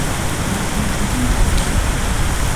მათი მატლები მტაცებლებია.